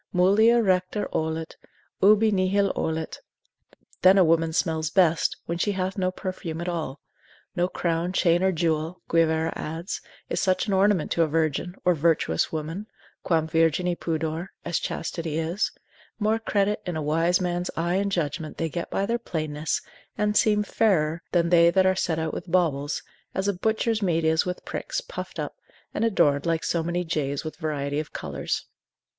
Mulier recte olet, ubi nihil olet, then a woman smells best, when she hath no perfume at all; no crown, chain, or jewel (Guivarra adds) is such an ornament to a virgin, or virtuous woman, quam virgini pudor, as chastity is: more credit in a wise man's eye and judgment they get by their plainness, and seem fairer than they that are set out with baubles, as a butcher's meat is with pricks, puffed up, and adorned like so many jays with variety of colours.